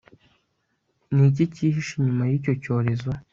ni iki cyihishe inyuma y'icyo cyorezo